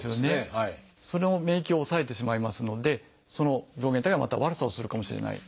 その免疫を抑えてしまいますのでその病原体がまた悪さをするかもしれない。